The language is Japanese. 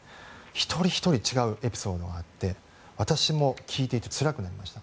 一人ひとり違うエピソードがあって私も聞いていてつらくなりました。